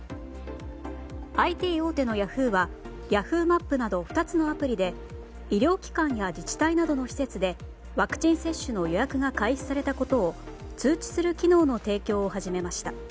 ＩＴ大手のヤフーはＹａｈｏｏ！ＭＡＰなど２つのアプリで医療機関や自治体などの施設でワクチン接種の予約が開始されたことを通知する機能の提供を始めました。